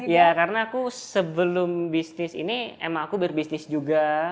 ya karena aku sebelum bisnis ini emang aku berbisnis juga